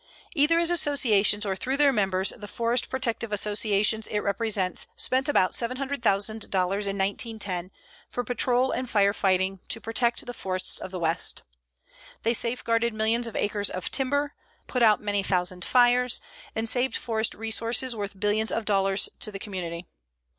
Either as associations or through their members the forest protective associations it represents spent about $700,000 in 1910 for patrol and fire fighting to protect the forests of the West. They safeguarded millions of acres of timber, put out many thousand fires, and saved forest resources worth billions of dollars to the community.